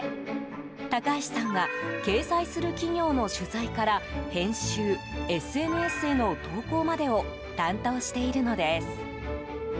高橋さんは掲載する企業の取材から編集、ＳＮＳへの投稿までを担当しているのです。